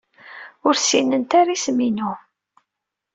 Ur ssinent ara isem-inu.